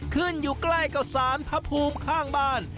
ขึ้นอยู่ใกล้กับสารผภูมิข้างบ้าน